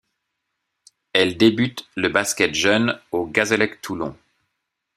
Elle début le basket jeune au Gazelec Toulon.